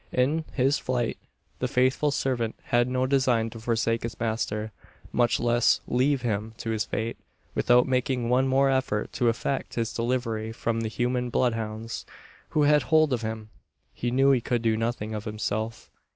In his flight the faithful servant had no design to forsake his master much less leave him to his fate, without making one more effort to effect his delivery from the human bloodhounds who had hold of him. He knew he could do nothing of himself.